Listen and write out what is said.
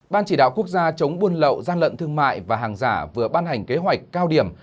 ban chỉ đạo quốc gia chống buôn lậu gian lận thương mại và hàng giả vừa ban hành kế hoạch cao điểm